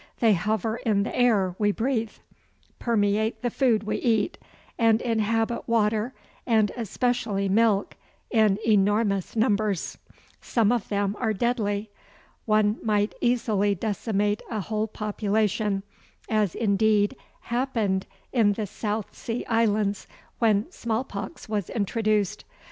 They hover in the air we breathe, permeate the food we eat, and inhabit water, and especially milk, in enormous numbers. Some of them are deadly. One might easily decimate a whole population, as indeed happened in the South Sea Islands when smallpox was introduced.